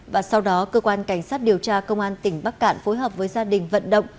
và sau đó cơ quan cảnh sát điều tra công an tỉnh bắc cạn phối hợp với gia đình vận động